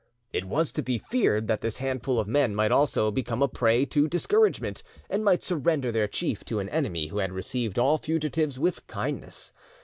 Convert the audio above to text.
It was to be feared that this handful of men might also become a prey to discouragement, and might surrender their chief to an enemy who had received all fugitives with kindness.